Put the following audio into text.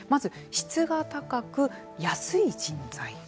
質が高く安い人材。